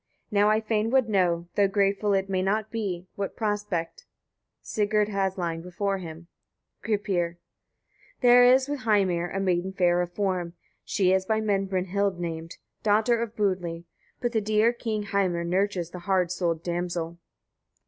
Now I fain would know, though grateful it may not be, what prospect Sigurd has lying before him. Gripir. 27. There is with Heimir a maiden fair of form, she is by men Brynhild named, daughter of Budli; but the dear king Heimir nurtures the hard souled damsel.